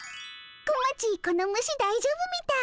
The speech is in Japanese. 小町この虫だいじょうぶみたい。